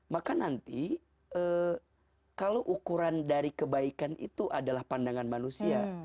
maka nanti kalau ukuran dari kebaikan itu adalah pandangan manusia